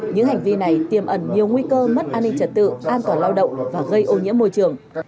những hành vi này tiềm ẩn nhiều nguy cơ mất an ninh trật tự an toàn lao động và gây ô nhiễm môi trường